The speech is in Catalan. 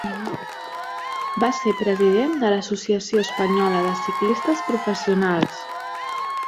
Va ser president de l'Associació Espanyola de Ciclistes Professionals.